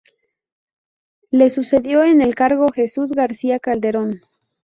Le sucedió en el cargo Jesús García Calderón.